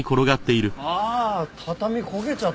ああ畳焦げちゃってるよ。